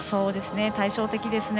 対照的ですね。